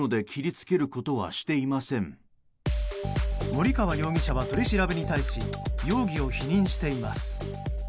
森川容疑者は取り調べに対し容疑を否認しています。